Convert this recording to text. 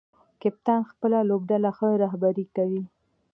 کپتان خپله لوبډله ښه رهبري کوي.